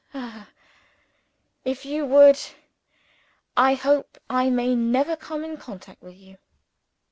Ah, if you would, I hope I may never come in contact with you.